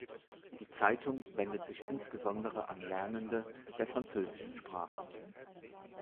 Die Zeitung wendet sich insbesondere an Lernende der französischen Sprache.